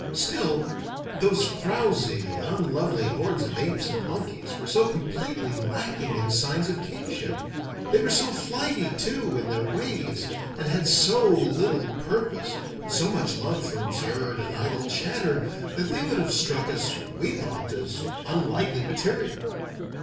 Still those frowsy, unlovely hordes of apes and monkeys were so completely lacking in signs of kingship; they were so flighty, too, in their ways, and had so little purpose, and so much love for absurd and idle chatter, that they would have struck us, we thought, as unlikely material.